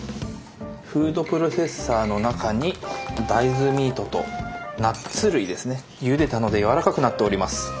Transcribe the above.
フードプロセッサーの中に大豆ミートとナッツ類ですねゆでたのでやわらかくなっております。